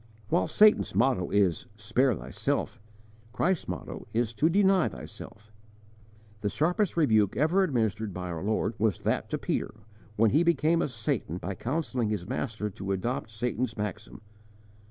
While Satan's motto is 'Spare thyself!' Christ's motto is to Deny thyself!' The sharpest rebuke ever administered by our Lord was that to Peter when he became a Satan by counselling his Master to adopt Satan's maxim.